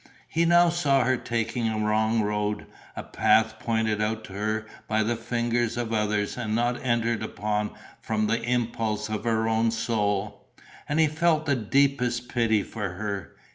He now saw her taking a wrong road, a path pointed out to her by the fingers of others and not entered upon from the impulse of her own soul. And he felt the deepest pity for her.